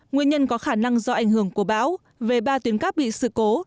nguyên nhân có khả năng do ảnh hưởng của bão về ba tuyến cắp bị sự cố